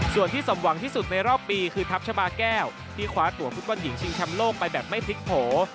ส่วนที่สมหวังที่สุดในรอบปีคือทัพชาบาแก้วที่คว้าตัวฟุตบอลหญิงชิงชำโลกไปแบบไม่พลิกโผล่